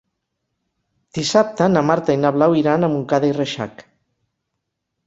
Dissabte na Marta i na Blau iran a Montcada i Reixac.